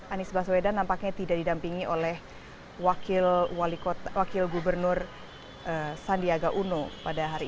anies baswedan nampaknya tidak didampingi oleh wakil wali kota wakil gubernur sandiaga uno pada hari